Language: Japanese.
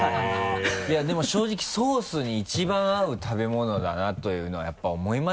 いやでも正直ソースに１番合う食べ物だなというのはやっぱ思いますよ。